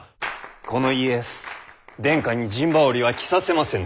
この家康殿下に陣羽織は着させませぬ。